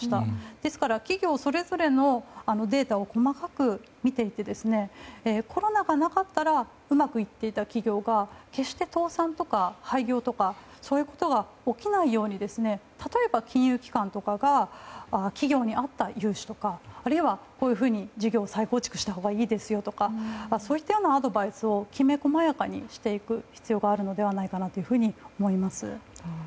ですから企業それぞれのデータを細かく見ていってコロナがなかったらうまくいっていた企業が決して倒産とか廃業とかそういうことが起きないように例えば金融機関などが企業に合った融資とか、あるいは事業を再構築したほうがいいとかそういったアドバイスをきめ細やかにしていく必要があるのではないかなと思います。